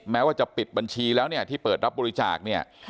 แม้ว่าจะปิดบัญชีแล้วที่เปิดรับบริจาค